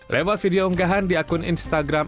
lewat video unggahan di akun instagram